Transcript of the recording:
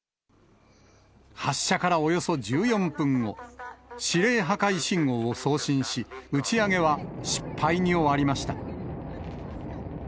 発射からおよそ１４分後、指令破壊信号を送信し、打ち上げは失敗に終わりました。